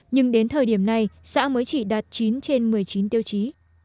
nhưng đến thời điểm này xã mới chỉ đạt chín trên một mươi chín tiêu chí